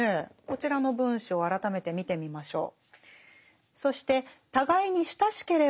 こちらの文章を改めて見てみましょう。